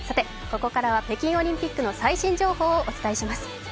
ここからは北京オリンピックの最新情報をお伝えします。